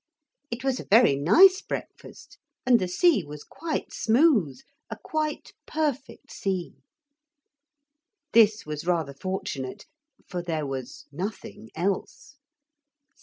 It was a very nice breakfast, and the sea was quite smooth a quite perfect sea. This was rather fortunate, for there was nothing else.